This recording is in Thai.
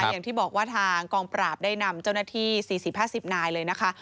อย่างที่บอกว่าทางกองปราบได้นำเจ้าหน้าที่๔๐๕๐นายเลยนะคะ